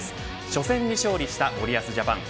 初戦に勝利した森保ジャパン。